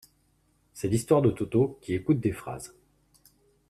C'est l'histoire de Toto qui écoute des phrases.